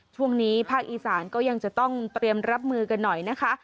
ช่วงนี้ภาคอีสานก็ยังจะต้องเตรียมรับมือกันหน่อยนะคะ